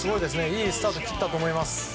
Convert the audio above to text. いいスタートを切ったと思います。